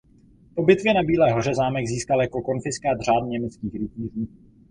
Po bitvě na Bílé hoře zámek získal jako konfiskát Řád německých rytířů.